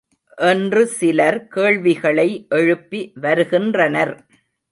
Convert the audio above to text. என்று சிலர் கேள்விகளை எழுப்பி வருகின்றனர்.